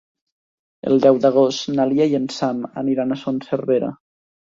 El deu d'agost na Lia i en Sam aniran a Son Servera.